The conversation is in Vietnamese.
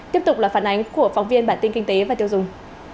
tiếp tục là phản ánh của phóng viên bản tin kinh tế và tiêu dùng